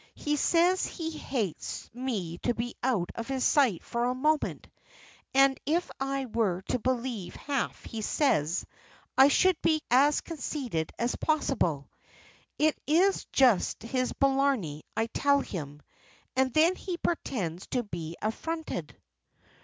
He says he hates me to be out of his sight for a moment, and if I were to believe half he says I should be as conceited as possible. It is just his blarney, I tell him. And then he pretends to be affronted."